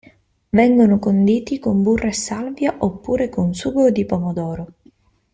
Vengono conditi con burro e salvia oppure con sugo di pomodoro.